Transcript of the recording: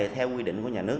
theo quy định của nhà nước